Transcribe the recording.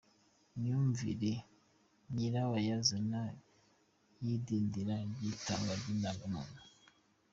Imyumvire nyirabayazana y’idindira ry’itangwa ry’indangamuntu